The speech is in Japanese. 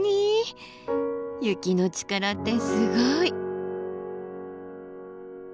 雪の力ってすごい。